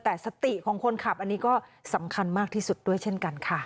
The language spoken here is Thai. แต่สติของคนขับอันนี้ก็สำคัญมากที่สุดด้วยเช่นกันค่ะ